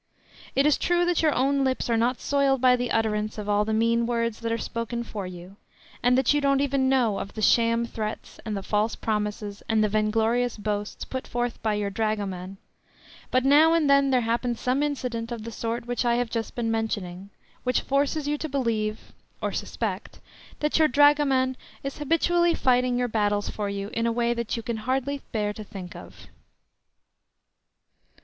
It is true that your own lips are not soiled by the utterance of all the mean words that are spoken for you, and that you don't even know of the sham threats, and the false promises, and the vainglorious boasts, put forth by your dragoman; but now and then there happens some incident of the sort which I have just been mentioning, which forces you to believe, or suspect, that your dragoman is habitually fighting your battles for you in a way that you can hardly bear to think of.